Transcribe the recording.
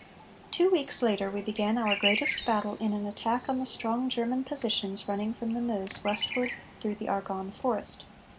Two weeks later we began our greatest battle in an attack on the strong German positions running from the Meuse westward through the Argonne forest.